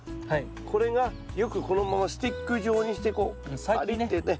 これがよくこのままスティック状にしてこうガリッてね